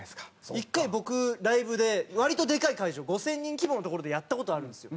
１回僕ライブで割とでかい会場５０００人規模の所でやった事あるんですよ